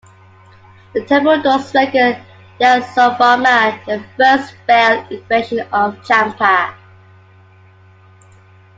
The temple doors record Yasovarman the First's failed invasion of Champa.